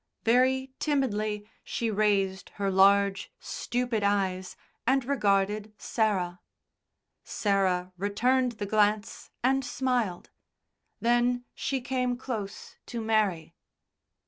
Very timidly she raised her large, stupid eyes and regarded Sarah. Sarah returned the glance and smiled. Then she came close to Mary.